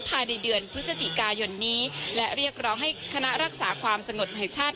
ภายในเดือนพฤศจิกายนนี้และเรียกร้องให้คณะรักษาความสงบแห่งชาติ